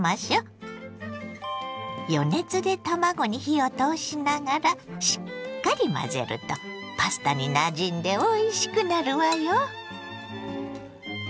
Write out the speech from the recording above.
余熱で卵に火を通しながらしっかり混ぜるとパスタになじんでおいしくなるわよ。